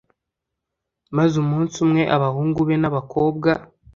Maze umunsi umwe, abahungu be n’abakobwa